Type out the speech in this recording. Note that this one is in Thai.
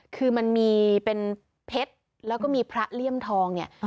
คือมันมีเป็นเพชรแล้วก็มีพระเลี่ยมทองเนี่ย